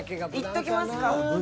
いっときますか。